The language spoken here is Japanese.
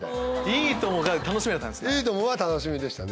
『いいとも！』が楽しみだった？